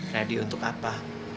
radio untuk apa